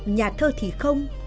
nhà thơ thì không